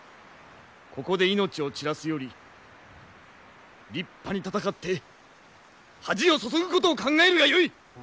ここで命を散らすより立派に戦って恥をそそぐことを考えるがよい！